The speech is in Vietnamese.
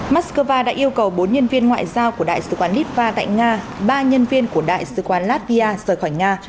mắc cơ va đã yêu cầu bốn nhân viên ngoại giao của đại sứ quán litva tại nga ba nhân viên của đại sứ quán latvia rời khỏi nga